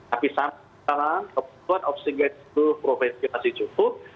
tapi sampai sekarang kebetulan oksigen itu provinsi masih cukup